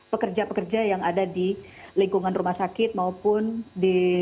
pekerja pekerja yang ada di lingkungan rumah sakit maupun di